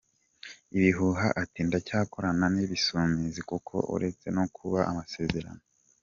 ibihuha ati "ndacyakorana nIbisumizi, kuko uretse no kuba amasezerano.